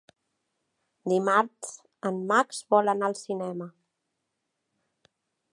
Dimarts en Max vol anar al cinema.